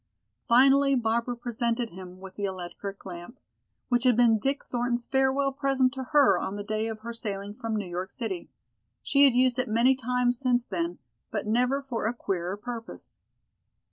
Finally Barbara presented him with the electric lamp, which had been Dick Thornton's farewell present to her on the day of her sailing from New York City. She had used it many times since then, but never for a queerer purpose.